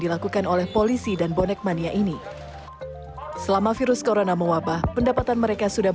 dilakukan oleh polisi dan bonek mania ini selama virus corona mewabah pendapatan mereka sudah